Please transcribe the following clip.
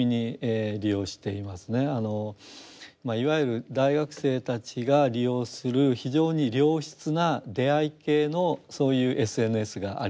いわゆる大学生たちが利用する非常に良質な出会い系のそういうＳＮＳがあります。